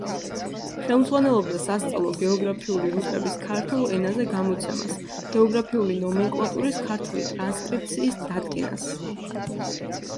ხელმძღვანელობდა სასწავლო გეოგრაფიული რუკების ქართულ ენაზე გამოცემას, გეოგრაფიული ნომენკლატურის ქართული ტრანსკრიფციის დადგენას.